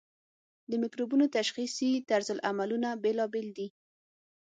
د مکروبونو تشخیصي طرزالعملونه بیلابیل دي.